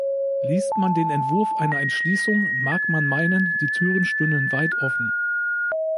Liest man den Entwurf einer Entschließung, mag man meinen, die Türen stünden weit offen.